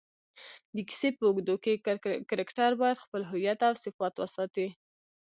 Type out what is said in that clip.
د کیسې په اوږدو کښي کرکټرباید خپل هویت اوصفات وساتي.